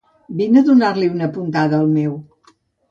Vine a donar-li una puntada al meu